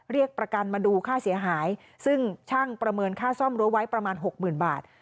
เรียกประกันมาดูค่าเสียหายซึ่งช่างประเมินค่าซ่อมรั้วไว้ประมาณหกหมื่นบาท